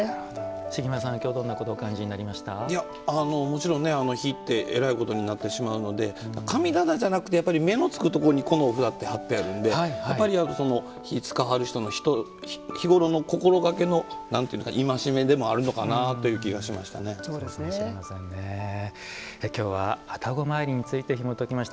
茂山さんは今日どんなことをもちろん火ってえらいことになってしまうので神棚じゃなくて目のつくところにこのお札って貼ってあるんでやっぱり火を使いはる人の日頃の心がけの戒めでもあるのかなという今日は愛宕詣りについてひもときました。